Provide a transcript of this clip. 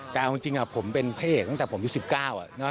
แต่เอาจริงผมเป็นพระเอกตั้งแต่ผมยุค๑๙